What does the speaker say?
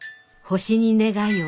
『星に願いを』